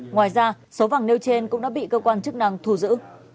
ngoài ra số vàng nêu trên cũng đã bị cơ quan chức năng thu giữ